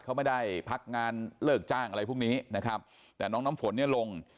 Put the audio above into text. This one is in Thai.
เขาไม่ได้พักงานเลิกจ้างอะไรพวกนี้นะครับแต่น้องน้ำฝนเนี่ยลง